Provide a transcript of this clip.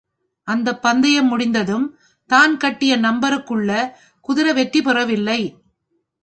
அந்தப் பந்தயம் முடிந்ததும் தான் கட்டிய நம்பருக்குள்ள குதிரை வெற்றி பெறவில்லை.